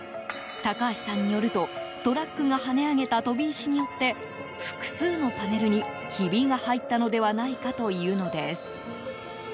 高橋さんによるとトラックが跳ね上げた飛び石によって、複数のパネルにひびが入ったのではないかというのです。